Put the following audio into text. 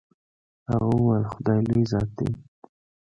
هغه وويل خداى لوى ذات دې.